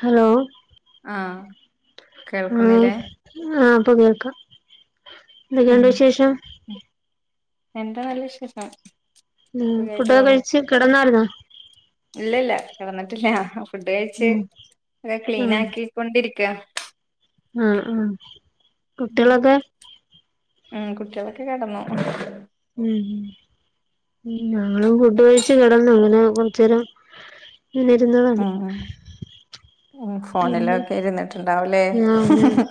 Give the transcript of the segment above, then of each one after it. Hello ആഹ് ആഹ് കേൾക്കുന്നില്ലേ ആഹ് ഇപ്പൊ കേൾക്കാം എന്തൊക്കെയുണ്ട് വിശേഷം എൻ്റെ നല്ല വിശേഷം ഉം ഫുഡൊക്കെ കഴിച്ച് കെടന്നാർന്നാ ഇല്ലില്ല കിടന്നിട്ടില്ല ഫുഡ് കഴിച്ച് ഉം ടെ ക്ലീൻ ആഹ് ആക്കിക്കൊണ്ടിരി ക്കാ ആഹ് ആഹ് കുട്ടികളൊക്കെ ഉം കുട്ടികളൊക്കെ കെടന്നു ഉം ഉം ഉം ഞങ്ങളും ഫുഡ് കഴിച്ചു കിടന്നു ങ്ങനെ കൊറച്ചേരം ഒന്നിരുന്നതാണ് ഉം ഉം ഫോണിലൊക്കെ ഇരുന്നിട്ടുണ്ടാവൂലേ ആഹ് അതെ അതെ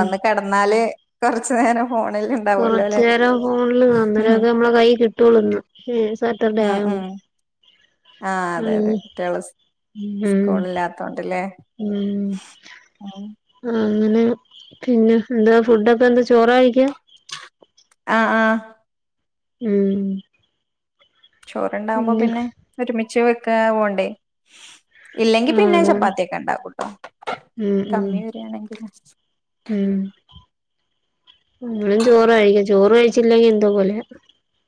ഉം ഒന്ന് കെടന്നാല് കുറച്ചു നേരം ഫോണിൽ ഉണ്ടാവല്ലോ കൊറച്ചു അല്ലെ നേരം ഫോണില് കാണും അന്നേരം ഉം അത് നമ്മളെ കൈ കിട്ടുള്ളുന്ന് സാറ്റർഡേ ഉം ഉം ആയോണ്ട് ആഹ് അതെ ഉം അതെ കുട്ടികള് ഉം സ്കൂളില്ലാത്തോണ്ട്ല്ലെ ഉം ആഹ് അങ്ങനെ പിന്നെ എന്താ ഫുഡൊക്കെ എന്താ ചോറാ കയിക്കാ ആഹ് ആഹ് ഉം ചോറുണ്ടാവുമ്പോ പിന്നെ ഒരുമിച്ച് വെക്കാ വോണ്ടേ ഇല്ലെങ്കി ആഹ് പിന്നെ അതാണ് ചപ്പാത്തി ഒക്കെ ഉണ്ടാക്കൂട്ടോ ഉം ഉം കമ്മി വരിയാണെങ്കില് ഉം ഇവടിം ചോറായിക്കാ ചോറ് കഴിച്ചില്ലെങ്കി എന്തോ പോലെയാ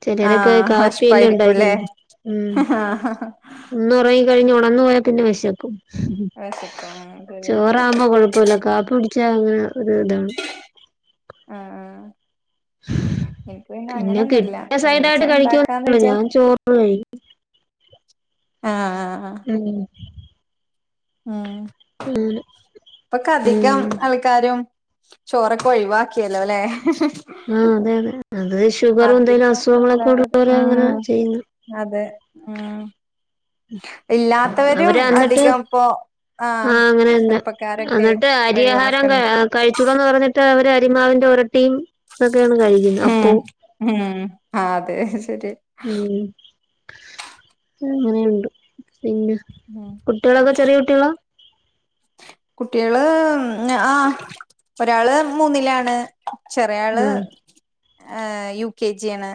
ചിലരൊക്കെ ആഹ് കാപ്പിയെല്ലാം ഉണ്ടായി വെഷ്പായിരിക്കുംല്ലേ കഴിഞ്ഞു ഉം [unintelligible] കഴിഞ്ഞു [unintelligible] പോയാൽ പിന്നെ വിശക്കും വെശക്കും ശരിയാ ചോറാവുമ്പോ കൊഴപ്പല്ല കാപ്പി കുടിച്ചാ അങ്ങ ഒരു ഇതാണ്. ആ ആ പിന്നെ കിട്ടിയ സൈഡ് ഒരുമിച്ച ആയിട്ട് ഇണ്ടാക്കാന്ന് കഴികൊന്നോള്ളൂ ഞാൻ ചോറ് ആ ആ അ ഉം ഉം അങ്ങനെ ഇപ്പൊ കധികം ഉം ആൾക്കാരും ചോറൊക്കെ ഒഴിവാക്കിയല്ലോ ലെ. ആ അതെ അതെ. അത് ഷുഗറും എന്തെേലും അധികം അല്ല അസുഖങ്ങളൊക്കെ ഉള്ളവരെ അങ്ങനെ ഉം ചെയ്യുനേ. അതെ ഉം ഇല്ലാത്തവരും അധികം ഇപ്പൊ ആ അങ്ങനെന്നെ എന്നിട്ട് അരി ആഹാരം ഒഴിവാക്കണ്ട് കഴിച്ചൂടന്ന് പറഞ്ഞിട്ട് അവര് ആതിമാവിന്റെ ഒരട്ടിയും ഇതൊക്കെയാണ് കഴിക്കുന്നത് ഉം അപ്പവും ഉം അതെ ശരി. ഉം അങ്ങനെയുണ്ട്. പിന്നെ ഉം കുട്ടികളൊക്കെ ചെറിയ കുട്ടികള? കുട്ടികള് ആ ഒരാൾ മൂന്നിലാണ്. ചെറിയാൾ ആഹ് ഏ യുകെജി യാണ്.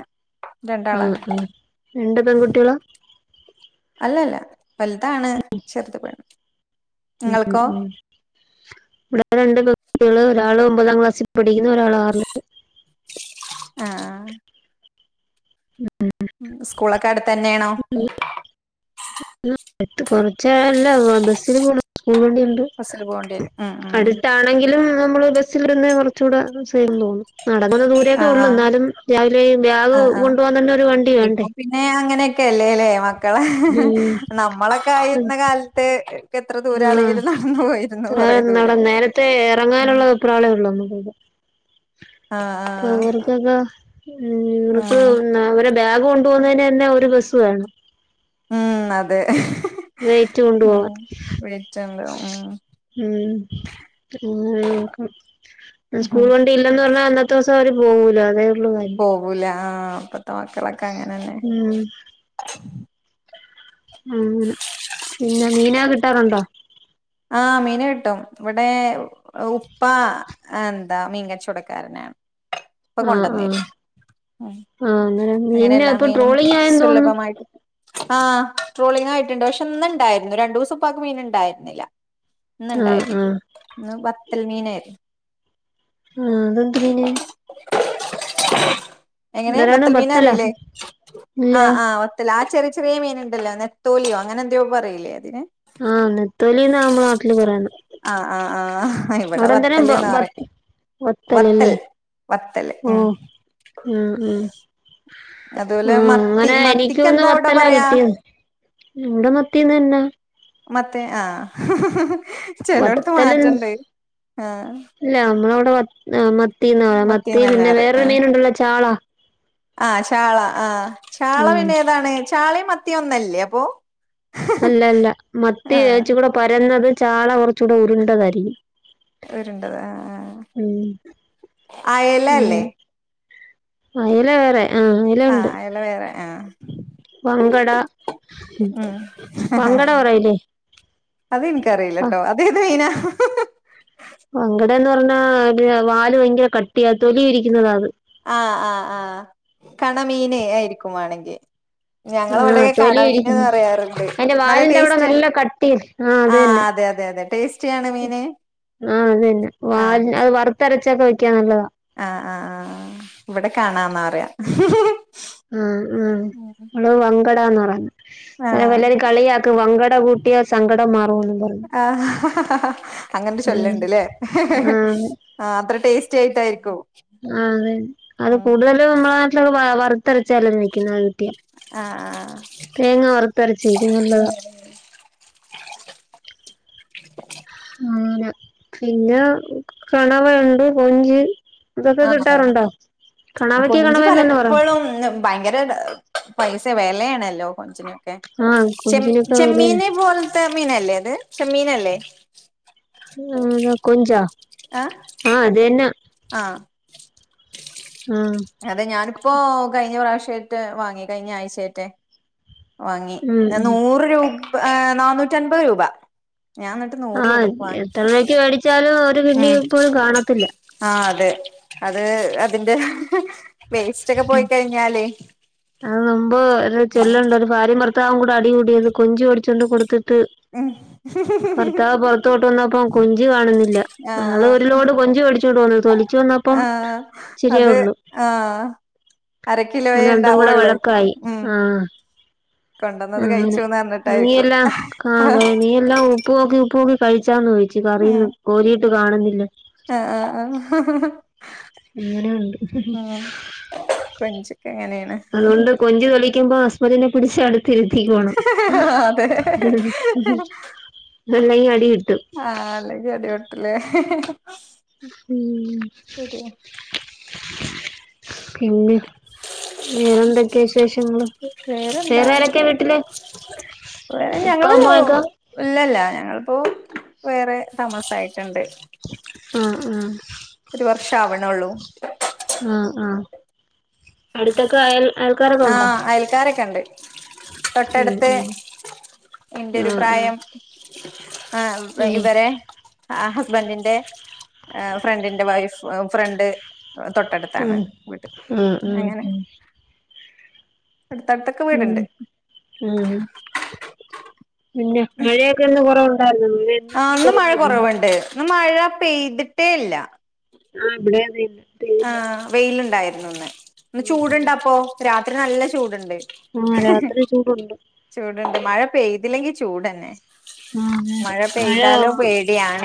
ആ ആ രണ്ട് പെൺകുട്ടികളാ? അല്ല ല്ല വലുതാണ് ചെറുത് പെണ്ണ്. ഉ നിങ്ങൾക്കോ ഉ ഇവിടെ രണ്ട് വ്യക്തികള് ഒരാൾ ഒമ്പതാം ക്ലാസ്സിൽ പഠ [unintelligible] ഒരാൾ ആറിൽ. ആ അ സ്കൂളൊക്കെ അടുത്ത് തന്നെയാണോ? എടുത്ത് കൊറച്ചല്ലാ ബസ്സില് കൊടുത് [unintelligible] ഉണ്ട് ബസ്സില് പോകേണ്ടി വരും ഉം ഉം അടുത്താണെങ്കിലും നമ്മൾ ബസി ൽ ഇരുന്ന കുറച്ചുകൂടെ എന്നും നടങ്ങുന്ന ദൂരേൊക്കെ ഉള്ളൂ എന്നാലും രാവിലെ ബാഗ് ആ ആ കൊണ്ടുപോകാൻ തന്നെ ഒരു വണ്ടി ഇപ്പൊ വേണ്ടേ പിന്നെ അങ്ങനെയൊക്കെ അല്ലേല്ലേ മ മക്കള ഉം നമ്മളൊക്കെ ആയിരുന്ന കാലത്ത് എത്ര ആ ദൂരാണെങ്കിലും നടന്നു പോയിരുന്നു ഇത്ര കൊറേ നട ദൂരം നേരത്തെ ഉം ഇറങ്ങാനുള്ള വെപ്രാളെയൊള്ളു. ആഹ് ആഹ് പവർഗക. ഉം നിക്ക് ആഹ് അവരെ ബാഗ് കൊണ്ട് പോകുന്നതിനെന്നെ ഒരു ബസ് വേണം. ഉം അതെ നൈറ്റ് കൊണ്ടു ഉം പോവാൻ. [unintelligible] ഉം. ഉം [unintelligible] നോക്കാം. ഉം സ്കൂൾ വണ്ടി ഇല്ലന്ന് പറഞ്ഞാൽ അന്നത്തെ ദിവസം അവർ പോകൂല അത പോകൂല ആ ഇപ്പത്തെ മക്കളൊക്കെ അങ്ങനെ തന്നെ. ഉം ഉ പിന്നെ മീനാ കിട്ടാറുണ്ടോ? ആഹ് മീൻ കിട്ടും. ഇവിടെ ഉപ്പ എന്താ മീൻകച്ചോടക്കാരന ഇപ്പ ആഹ് ആഹ് കൊണ്ടനേരും. ആഹ് അന്നേരം അങ്ങനെ മീനിന് എല്ലാ ഇപ്പൊ മീനും ട്രോളിങ് ആയെന്ന് തോന്നുന്നു സുലഭമായിട്ട് ആഹ് ട്രോളിങ് ആയിട്ടുണ്ട്. പക്ഷെ ഇന്ന് ഇണ്ടായിരുന്നു രണ്ടു ദിവസം ഉപ്പക്ക് മീൻ ഉണ്ടായിരുന്നില്ല. ഇന്ന് ആഹ് ഇണ്ടായിരുന്നു. ആഹ് ഇന്ന് വത്തൽ മീനയിരുന്നു. ആ അതെന്ത് മീന് എങ്ങനെ എന്തരാണ് ബത്തൽ മീന ബത്തലോ അറിയില്ലേ? ഇല്ല ആഹ് ആ വത്തൽ ആ ചെറിയ ചെറിയ മീനുണ്ടല്ലോ നത്തോലിയോ അങ്ങനെ എന്തോ പറയില്ലേ അതിന് ആഹ് നെത്തോലിന്നാ നമ്മളെ നാട്ടില് പറയന്ന് ആഹ് ആഹ് ആഹ് ഇവിടെ അവിടെ എന്തരോ വത്തല്ന്ന് പറയും [unintelligible] വത്തൽ ഒത്തല്ലല്ലേ വത്തല് ഓ ഉം ആഹ് ആഹ് അതുപോലെ ആഹ് മത്തി അങ്ങനെ എനിക്ക മത്തിക്ക് ഒന്ന് എന്താ അവിടെ വത്തല്ല പറയാ കിട്ടിയത്. ഇവിടെ മത്തി തന്നാ. മതി ആഹ് ചിലടത്ത് വത്തലും മാറ്റണ്ട് ആഹ് ആഹ് മത്തിന്ന് പറ മത്തി മത്തീന്നന്നെ പിന്നെ പറയും വേറൊരു ആഹ് മീന ഉണ്ടല്ലോ ചാളാ ആഹ് ചാള ആഹ് ചാള ഉം പിന്നെ ഏതാണ് ചാളയും മത്തിയൊന്നല്ലേ? അപ്പൊ. അല്ല അല്ല മത്തി ആഹ് വച്ച കൂടെ പരന്നത് ചാള കുറച്ചൂടെ ഉരുണ്ടതായിരിക്കും. ഉരണ്ടത് ആഹ് ആഹ് ഉം അയല അല്ലേ? അയില്ല വേറെ. ആഹ് അയല വേറെ ആഹ് മങ്കട ഉം മങ്കട വേറയില്ലേ. അതെനിക്കറിയില്ല ട്ടോ അതേത് മീനാ. മങ്കട എന്ന് പറഞ്ഞാ വാല് ഭയങ്കര കട്ടിയാ തൊലി ഉരിക്കുന്നതാ അത്. ആഹ് ആഹ് ആഹ് കണമീന് ആയിരിക്കുവാണെങ്കിൽ. ഞങ്ങളവിടെ ആഹ് തൊലി കണമീൻന്ന് ഉരിക്കുന്നു പറയാറുണ്ട്. അതിന്റെ നല്ല വാലിന്റെ അവിടെ ടേസ്റ്റ് നല്ല കട്ടി ആ അത് ആഹ് തന്നെ അതെ അതെ അതെ അതെ ടേസ്റ്റിയാണ് മീന്. ആഹ് അത് തന്നെ വാ ആഹ് ടേസ്റ്റ് അത് വറുത്തരച്ചൊക്കെ വെക്കാ നല്ലതാ. ആഹ് ആഹ് ആഹ് ഇവിടെ കണാന്ന പറയാ. ആഹ് ആഹ് ഇവിടെ മങ്കടന്ന് പറ ആഹ് വല്ലരു കളിയക്ക് മങ്കട കൂട്ടിയ സങ്കടം മാറുവെന്ന് പറഞ്ഞു. അങ്ങന ഉം. ചൊല്ലണ്ട്ല്ലേ ആ ആഹ് അത്ര ടേസ്റ്റി ആയിട്ടായിരിക്കും. ആഹ് അതെ അത് ഉം കൂടുതലും നമ്മളെ നാട്ടിലൊക്കെ വറുത്തരച്ച കറി വെയ്ക്കുന്നത്. ആഹ് തേങ്ങ വറുത്തരച്ച് വെയ്ക്കും നല്ലതാ. ആഹ് അങ്ങനെ പിന്നെ കണവണ്ട്, കൊഞ്ച്. ഇതൊക്കെ ആഹ് കിട്ടാറുണ്ടോ കണവയ്ക്ക് കൊഞ്ച് കണവയെന്ന് തന്നെ പറയാം പലപ്പോഴും ഭയങ്കര പൈസ വിലയാണല്ലോ. കൊഞ്ചിനോക്കെ ആ ചെ കൊഞ്ചിനൊക്കെ ചെമ്മീൻ പോലത്തെ മീനല്ലേ അത് ചെമ്മീനല്ലേ? ആഹ് അതാ കൊഞ്ചാ ആഹ അത് തന്നെ ആഹ ആഹ് അതെ ഞാനിപ്പോ കഴിഞ്ഞ പ്രാവശ്യമായിട്ട് വാങ്ങി കഴിഞ്ഞ ആഴ്ചായിട്ടെ വാങ്ങി ഉം ഉം നൂറ് രൂ പ നന്നൂറ്റൻപത് രൂപ. ഞാൻ എന്നിട്ട് നൂറ് ആഹ രൂപക്ക് വാങ്ങി എത്ര രുപക്ക് മേടിച്ചാലും ഒരു കിണ്ണി ഉം പോലും കാണത്തില്ല. ആ അതെ അത് അതിന്റെ വേസ്റ്റ് ഒക്കെ പോയി കഴിഞ്ഞാലേ അത് മുമ്പ് ഒരു ചൊല്ലണ്ട് ഒരു ഭാര്യ ഭർ വും കൂടി അടികൂടിയത് കൊഞ്ച് മേടിച്ചൊണ്ട് കൊടുത്തിട് ഉം ഭർത്താവ് പുറത്തോട്ട് വന്നപ്പം. കൊഞ്ച് കാണുന്നില്ല ആ അയള് ഒരുലോട്. കൊഞ്ച് മേടിച്ചോണ്ട് വന്നു തൊലിച്ചു വന്നപ്പ ആ ഇച്ചരിയേ അത് ഉള്ളു. ആ അര അങ്ങനെ കിലോയേ രണ്ടും കൂടെ ഉണ്ടാവുള്ളൂ വഴക്കായി. ഉം ആഹ് കൊണ്ടന്നത് അങ്ങനെ കഴിച്ചുന്ന് പറഞ്ഞിട്ടായിരിക്കും നീയല്ലാ കക നീ എല്ലാം ഉപ്പ്നോക്കി ഉപ്പ്നോക്കി ച്ചാന്ന് ചോദിച്ചി കറിയുന്നു കോരിയിട്ട് കാണുന്നില്ല. ആഹ് ആഹ് ആഹ് അങ്ങനെയുണ്ട്. കൊഞ്ചൊക്കെ അങ്ങനെയാണ് അതുകൊണ്ട് കൊഞ്ച് തെളിക്കുമ്പോ ഹസ്പെന്റ പിടിച്ചടു ആഹ് അതേ അല്ലെങ്കിൽ അടി കിട്ടും ആഹ് അല്ലെങ്കിൽ അടി പോട്ടുല്ലേ ഉം പിന്നേ വേറെ എന്തൊക്കെയാ വിശേഷങ്ങള് വേറെ വേറെന്താ ആരൊക്കെയ വീട്ടില് ഇപ്പം. ഓ ഇല്ലല്ല ഞങ്ങളിപ്പോ വേറെ താമസായി ച്ച്ണ്ട് ആഹ് ആഹ് ഒരു വർഷം ആവണൊള്ളു ആ ആഹ് അടുത്തൊക്കെ അയൽ അയൽക്കാരൊക്കെ ഉണ്ടോ ആഹ് അയൽക്കാരൊക്കെ ഇണ്ട് ഉം തൊട്ടടുത്ത് ഉം എന്റെരു ആഹ് പ്രായം ആ ആഹ് ഇവരെ അ ഹസ്ബൻഡിന്റെ ആ ഫ്രണ്ടിന്റെ വൈഫ് ഫ്രണ്ട് തൊട്ടടുത്താണ് ഉം ഉം വീട് ആഹ് അങ്ങനെ ആഹ് അടുത്തടുത്തൊക്കെ ഉം വീട്ണ്ട് ഉം പിന്നെ മഴയൊക്കെ കൊറവുണ്ടായിരുന്നോ ഇന്ന് ഇത്തിരി കൊറഞ്ഞില്ലേ ന്ന് മഴ പെയ്തിട്ടേ ഇല്ല ആ ഇവിടെ അതെ ആ പെയ്തില്ല വെയിലുണ്ടായിരുന്നു ന്ന് ഇന്ന് ഉം ഉം ചൂട്ണ്ട്പ്പോ രാത്രി നല്ല ചൂട്ണ്ട് ആഹ് രാത്രി ചൂടുണ്ട് ചൂടുണ്ട് മഴ പെയ്തില്ലെങ്കി ചൂടന്നെ ആഹ് അങ്ങനെ മഴ പെയ്താലോ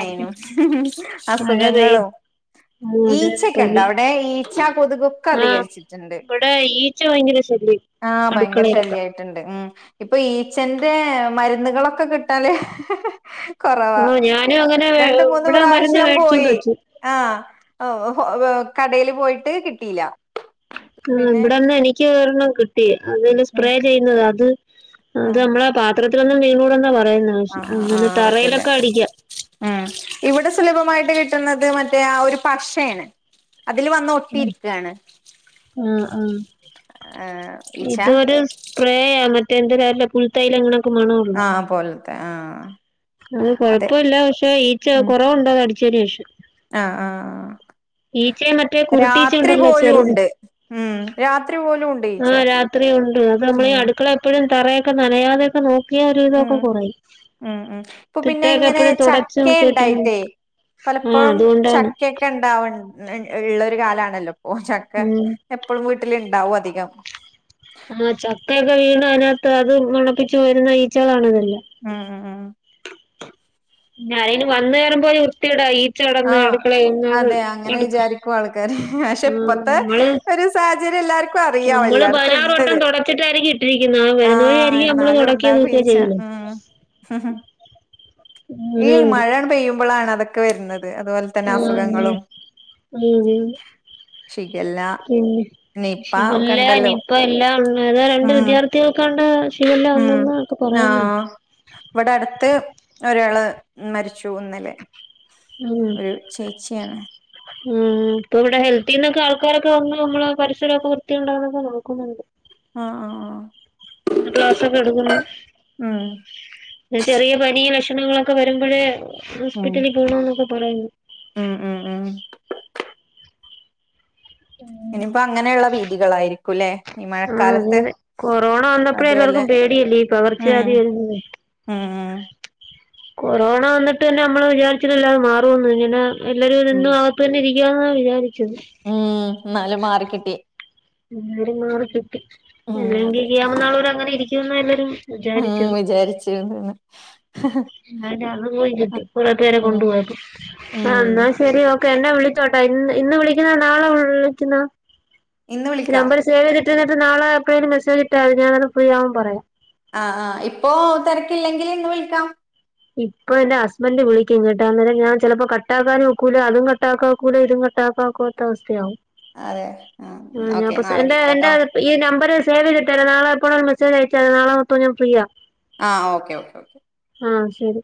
അത് മഴ പെയ് അസുഖങ്ങളും [unintelligible] അതെ ക്കണ്ട് പനി അവടെ ഈച്ച കൊതുകൊക്കെ ആഹ് അധികരിച്ചിട്ടുണ്ട് ഇവിടെ ഈച്ച ഭയങ്കര ശല്യം ആഹ് ഭയങ്കര അടുക്കളയിലൊക്കെ ശല്യായിട്ട്ണ്ട് ഉം ഇപ്പ ഈച്ചന്റെ മരുന്നുകളൊക്കെ കിട്ടല് കൊറവാ ആഹ് ഞാനും അങ്ങനെ രണ്ട് മൂന്ന് ഇവിടെ മരുന്ന് പ്രാവശ്യം മേടിച്ചോണ്ട് പോയി വെച്ചു ആഹ് ഓ ഓ കടെല് പോയിട്ട് കിട്ടിയില്ല ഉം പിന്നെ ഇവടെന്ന് എനിക്ക് ഒരണ്ണം കിട്ടി അതില് ഉം സ്പ്രേ ചെയ്യുന്നത് അത് അത് ആഹ് നമ്മളെ പാത്രത്തിലൊന്നും വീണുടന്നാ പറയു ആഹ് ആ ആവതില്ല ഉം ഇവിടെ സുലഭമായിട്ട് കിട്ട് കിട്ട്ണത് മറ്റയാ ഒരു പശ ആണ് അതിൽ വന്ന് ഒട്ടിരിക്കുവാണ് ആ ആ ഈച്ച ഇതൊരു സ്പ്രേ ആ മ എന്റെ കയ്യിലെ പുൽത്തയ്ലങ്ങളും മണംഒള്ള ആഹ് പോലത്തെ ആഹ് അത് അതെ കൊഴപ്പ ഇല്ല പക്ഷെ ഈച്ച ഉം കൊറവ്ണ്ടോ അടി ശരി യേശു ആഹ് ആഹ് ഈച്ചയും മറ്റേ ആ കുരുട്ടീച്ച രാത്രി ഉണ്ടല്ലോ പോലും ചെറുത് ഉണ്ട് ഉം രാത്രി പോലും ഉണ്ട് ഈച്ച ഉം ഉം തറയൊക്കെ നനയാതെക്ക നോക്ക നോക്ക്യാ ഒരു വിതൊക്കെ ഉം കുറയും ഉം ഉം ഇപ്പൊ പിന്നെ തിട്ടൊക്കെ ഇങ്ങനെ എപ്പഴും തൊടച്ച് ചക്ക വൃത്തിയായിട്ട് ഇര്ന്ന് ഉണ്ടായിട്ടേ പലപ്പോഴും ചക്കയൊക്കെ ഇണ്ടാവ ണ്ട് ഇള്ള് ഒരു കാലാണല്ലോ ഇപ്പം ചക്ക ഉം എപ്പഴും വീട്ടില് ഇണ്ടാവും അധികം ആ ചക്കയൊക്കെ വീണ് അതിനകത്ത് അത് മണപ്പിച്ച് വരുന്ന ഈ ഉം ആ ആ ആ ഞാനയിന് വന്ന് കേറുമ്പോ വൃത്യേടായി ആഹ് അതെ അങ്ങനെ വിചാരിക്കും ആൾക്കാര് പക്ഷെ ആഹ് ഇപ്പത്തെ നമ്മള് ഒരു സഹച ചര്യം എല്ലാർക്ക്‌ ക്കും അറിയാ നമ്മള് എല്ലാടത്തും പതിനാറ് വട്ടം ഉണ്ടത് തുടച്ചിട്ടായിരിക്കും ഇട്ടിരിക്കുന്നെ ആ വരുന്നവഴി ആയിരിക്കും നമ്മള് എന്നാലും തുടക്കുകയോ ഉണ്ടാകും തൂക്കുകയോ ഈച്ച ആ ചെയ്യുന്നത്. ഉം ഉം ഈ അങ്ങനെയുണ്ട് മഴങ്ങട് പെയ്യുമ്പളാണ് അതൊക്കെ വരുന്നത് അതുപോലെ തന്നെ ആഹ് അസുഖങ്ങളും അങ്ങനെ ഷിഗല്ല നിപ്പ ഒക്കെ ശിഖല്ല ഉണ്ടല്ലോ ഇനിപ്പം എല്ലാം ഉണ്ട് രണ്ട് ഉം വിദ്യാർത്ഥികൾക്കാണ്ട് ശിഖല്ല ഉം വന്നെന്നൊക്കെ പറ ആഹ് ഇവടെ അടുത്ത് ഒരാള് മരിച്ചു ഇന്നലെ ഉം ഒരു ചേച്ചിയാണ് ഉം ഇപ്പ ഇവടെ ഹെൽത്തിന്നൊക്കെ ആൾക്കാരൊക്കെ വന്ന് നമ്മള് പരിസരക്കെ വൃത്തിയുണ്ടോന്നൊക്കെ നോക്കുന്നുണ്ട് ആഹ് ആ ആ ഒരു ക്ലാസൊക്കെ എടുക്കുന്നു ഉം ചെറിയ പനി വെഷ് ലക്ഷണങ്ങളൊക്കെ വരുമ്പഴേ ഉം ഹോസ്പിറ്റലിൽ പോണന്നൊക്കെ പറയുന്നു ഉം ഉം ഉം ഇനിപ്പോ അങ്ങനെയുള്ള വീതികളായിരിക്കുംല്ലേ. ഈ ആ മഴക്കാലത്ത് അങ്ങനെ കൊറോണ വന്നപ്പോഴേ അതുപോലെ എല്ലാവർക്കും. പേടിയല്ലേ പകർച്ച വ്യാതി വരുന്നത്. ആആ കൊറോണ വന്നിട്ട് നമ്മെ വിചാരിച്ചട്ടല്ലാെ മാറുംന്ന് ഇങ്ങനെ എല്ലാരും ഉം ഇന്നും ആകത്ത് തന്നെ ഇരിക്കാന്നാണ് വിാരിച്ചത് ഉം എന്നാലും മാറിക്കിട്ടി എല്ലരും മാറി കിട്ടി- ഉം അല്ലെങ്കിൽ [unintelligible] അങ്ങനെ ഇരിക്കുംന്ന എല്ലരും മ്മ് വിചാരിച്ചു അന്നെ അത്പോയി കിട്ടി ഓരോരുത്തരെ ഉം കൊണ്ട് പോയപ്പോ- ആ ഉം ന്നാ ശെരി ഓക്കേ എന്നെ വിളിച്ചോട്ടോ ഇ ഇന്ന് വിളിക്കുന്ന നാളെ വിളിക്കുന്ന ഇന്ന് വിളിക്കാം നമ്പർ സേവ് [unintelligible] എന്നിട്ട നാളെ എപ്പഴേലും മെസേജ് ഇട്ട മതി ഞാൻ ഫ്രീ ആവുമ്പോ പറയാ ആഹ ആഹ ഇപ്പൊ തിരക്കില്ലെങ്കിൽ ഇന്ന് വിളിക്കാം ഇപ്പൊ എന്റെ ഹസ്ബൻന്റ് വിളിക്കും കേട്ടാ അന്നേരം ഞാൻ ചെലപ്പോ കട്ടാക്കാൻ നോക്കൂല അതും കട്ടാക്കാ നോക്കൂല ഇതും [unintelligible] ക [unintelligible] അവസ്ഥയാവും അതെ ആഹ് ഓക്കെ നാളെ എന്റെ വിളിക്കാട്ടോ എന്റെ ഇ [unintelligible] സേവ് ചെയ്തിട്ടേര് നാളെ എപ്പഴോ ഒരു മെസ്സേജ് അയച്ച മതി നാളെ മൊത്തം ഞാൻ ഫ്രീയാ ആ ഓക്കേ ഓക്കേ ഓക്കെ- ആ ശരി